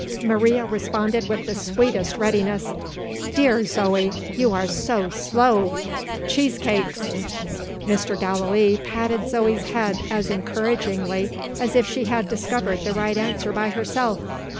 Maria responded with the sweetest readiness. "Dear Zoe, you are so slow! Cheesecakes." Mr. Gallilee patted Zoe's head as encouragingly as if she had discovered the right answer by herself.